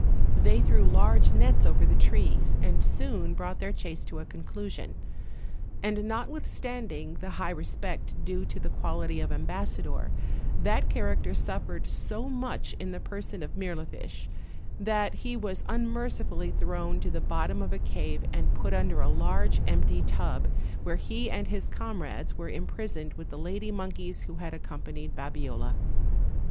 They threw large nets over the trees, and soon brought their chase to a conclusion; and notwithstanding the high respect due to the quality of ambassador, that character suffered so much in the person of Mirlifiche that he was unmerci fully thrown to the bottom of a cave and put under a large empty tub, where he and his comrades were im prisoned with the lady monkeys who had accompanied Babiola.